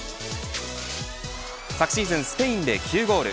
昨シーズン、スペインで９ゴール。